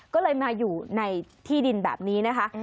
ก็เลยมาอยู่ในที่ดินแบบนี้นะคะ